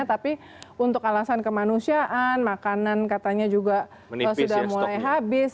tapi untuk alasan kemanusiaan makanan katanya juga sudah mulai habis